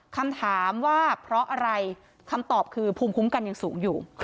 คำถามว่าเพราะอะไรคำตอบคือภูมิคุ้มกันยังสูงอยู่